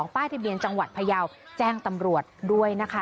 ป้ายทะเบียนจังหวัดพยาวแจ้งตำรวจด้วยนะคะ